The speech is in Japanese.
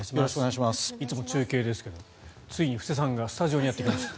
いつも中継ですけど遂に布施さんがスタジオにやってきました。